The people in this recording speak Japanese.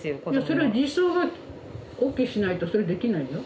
それ児相がＯＫしないとそれできないよ。